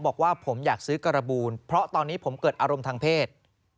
บอกว่าผมอยากซื้อการบูนเพราะตอนนี้ผมเกิดอารมณ์ทางเพศ